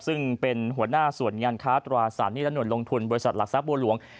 ซึ่งเป็นหัวหน้าส่วนงานค้าตราสารหนี้และหน่วยลงทุนบริษัทหลักทรัพย์บัวหลวง